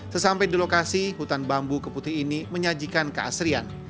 sesampai di lokasi hutan bambu keputih ini menyajikan keasrian